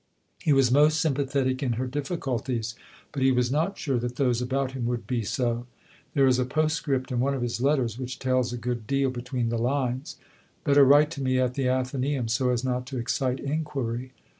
He was most sympathetic in her difficulties, but he was not sure that those about him would be so. There is a postscript in one of his letters which tells a good deal between the lines: "Better write to me at the Athenæum so as not to excite inquiry."